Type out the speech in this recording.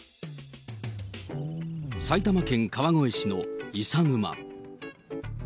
埼玉県川越市の伊佐沼。